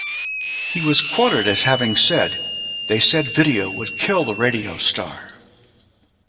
He was quoted as having said: They said video would kill the radio star.